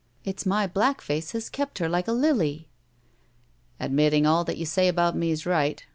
It's my black face has kept her like a lily!" "Admitting all that you say about me is right.